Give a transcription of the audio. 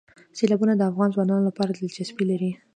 سیلابونه د افغان ځوانانو لپاره دلچسپي لري.